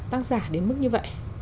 tác giả đến mức như vậy